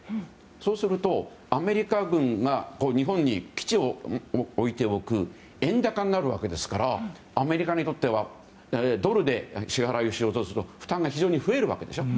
そうすると、アメリカ軍が日本に基地を置いておく円高になるわけですからアメリカにとってはドルで支払おうとすると負担が非常に増えるわけでしょ。